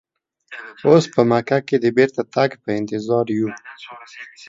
اوس په مکه کې د بیرته تګ په انتظار یو.